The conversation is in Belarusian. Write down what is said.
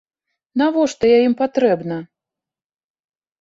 Навошта я ім патрэбна?